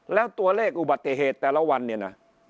แล้วตัวเลขอุบัติเหตุแต่ละวันเนี่ยนะ